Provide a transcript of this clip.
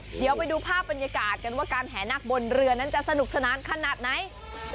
เดี๋ยวไปดูภาพบรรยากาศกันว่าการแห่นักบนเรือนั้นจะสนุกสนานขนาดไหน